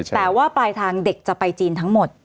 แต่ว่าปลายทางเด็กจะไปจีนทั้งหมด